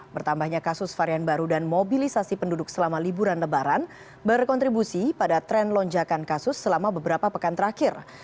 bertambahnya kasus varian baru dan mobilisasi penduduk selama liburan lebaran berkontribusi pada tren lonjakan kasus selama beberapa pekan terakhir